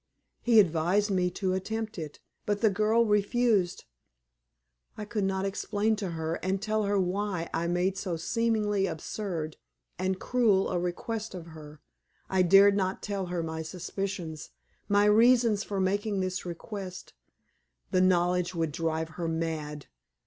He advised me to attempt it, but the girl refused. I could not explain to her and tell her why I made so seemingly absurd and cruel a request of her. I dared not tell her my suspicions my reasons for making this request; the knowledge would drive her mad.